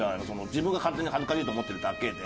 自分が勝手に恥ずかしいと思ってるだけで。